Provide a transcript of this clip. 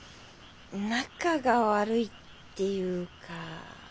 仲が悪いっていうか。